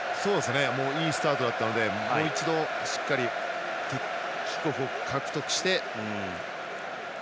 いいスタートだったのでもう一度しっかりキックオフを獲得して。